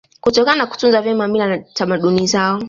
Kutokana na kutunza vyema mila na tamaduni zao